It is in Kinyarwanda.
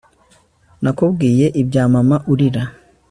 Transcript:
nakubwiye ibya mama urira